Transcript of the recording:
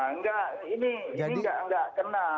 enggak ini nggak kena permulaannya